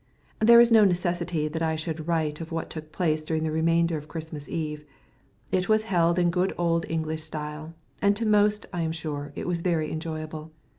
There is no necessity that I should write of what took place during the remainder of Christmas Eve. It was held in good old English style, and to most, I am sure, it was very enjoyable.